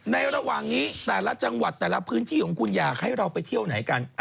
ระหว่างนี้แต่ละจังหวัดแต่ละพื้นที่ของคุณอยากให้เราไปเที่ยวไหนกัน